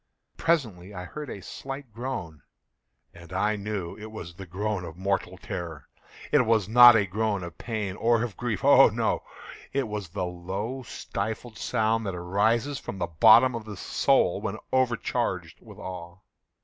Presently I heard a slight groan, and I knew it was the groan of mortal terror. It was not a groan of pain or of grief—oh, no!—it was the low stifled sound that arises from the bottom of the soul when overcharged with awe.